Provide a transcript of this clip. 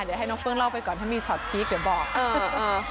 เดี๋ยวให้น้องเฟื้องเล่าไปก่อนถ้ามีช็อตพีคเดี๋ยวบอกเออ